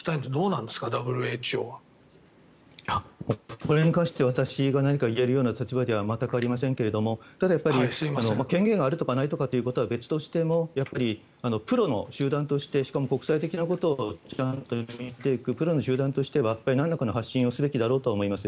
これに関して私が何か言えるような立場では全くありませんがただやはり権限があるかないかということは別としてもプロの集団としてしかも国際的なことを見ていくプロの集団としてはなんらかの発信をすべきだとは思います。